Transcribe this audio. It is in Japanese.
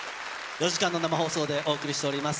４時間の生放送でお送りしております